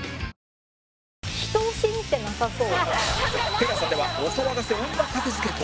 ＴＥＬＡＳＡ ではお騒がせ女格付けと